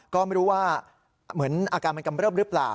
ก็ไม่รู้ว่าเหมือนอาการมันกำเริบหรือเปล่า